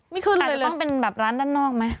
ไม่ขึ้นเลยเลยอาจจะต้องเป็นแบบร้านด้านนอกไหม